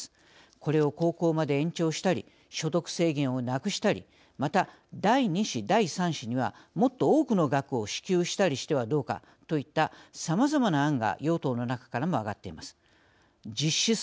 これを高校まで延長したり所得制限をなくしたりまた、第２子、第３子にはもっと多くの額を支給したりしてはどうかといったさまざまな案が与党の中からも上がっています。